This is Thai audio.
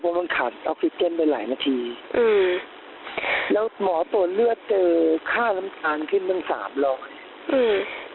เพราะมันขาดออกซิเจนไปหลายนาทีอืมแล้วหมอตรวจเลือดเจอค่าน้ำตาลขึ้นตั้งสามร้อยอืม